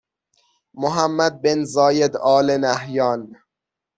محمد بن زاید آل نهیان